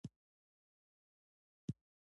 پیاز ژر پخیږي